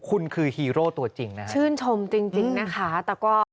คุณคือฮีโร่ตัวจริงนะคะชื่นชมจริงจริงนะคะแต่ก็